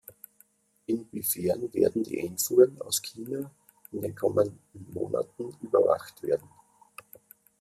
Inwiefern werden die Einfuhren aus China in den kommenden Monaten überwacht werden?